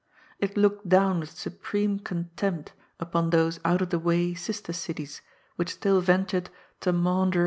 It looked down with supreme contempt upon those out of the way sister cities which still ventured to maunder 14 GOD'S FOOL.